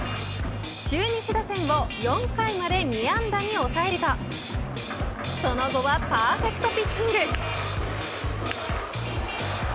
中日打線を４回まで２安打に抑えるとその後はパーフェクトピッチング。